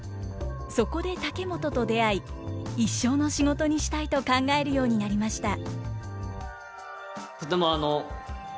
そこで竹本と出会い一生の仕事にしたいと考えるようになりました。